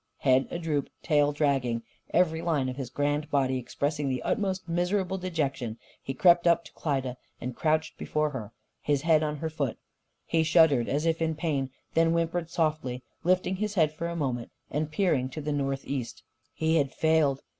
Head a droop, tail dragging, every line of his grand body expressing the utmost miserable dejection, he crept up to Klyda and crouched before her, his head on her foot. He shuddered, as if in pain; and then whimpered softly, lifting his head for a moment and peering to the northeast. He had failed.